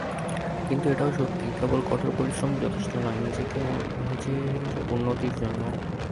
কিন্তু এটাও সত্যি, কেবল কঠোর পরিশ্রমই যথেষ্ট নয় নিজের উন্নতির জন্য।